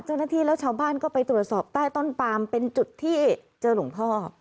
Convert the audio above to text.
เจ้าหน้าที่แล้วชาวบ้านก็ไปตรวจสอบใต้ต้นปามเป็นจุดที่เจอหลวงพ่อ